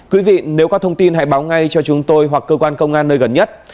quý vị nếu có thông tin hãy báo ngay cho chúng tôi hoặc cơ quan công an nơi gần nhất